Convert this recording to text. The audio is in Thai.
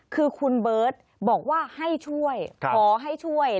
คือคุณเบิร์ตบอกว่าให้ช่วยขอให้ช่วย